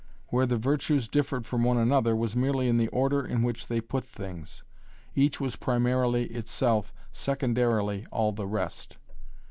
Where the virtues differed from one another was merely in the order in which they put things. Each was primarily itself, secondarily all the rest.